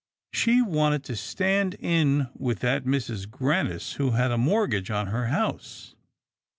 She wanted to stand in with that Mrs. Grannis who had a mortgage on her house.